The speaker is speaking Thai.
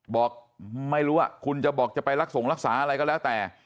บอกไม่รู้ว่าคุณจะบอกจะไปรักส่งรักษาอะไรก็แล้วแต่